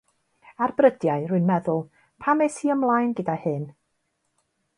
Ar brydiau, rwy'n meddwl, pam es i ymlaen gyda hyn?